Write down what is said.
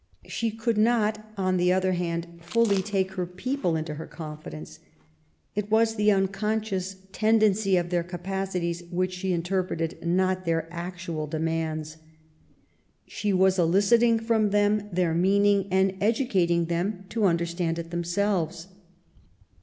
She could not, on the other hand, fully take her people into her confidence. It was the unconscious tendency of their capacities which she interpreted, not their actual demands. She was eliciting from them their meaning, and educating them to understand it themselves.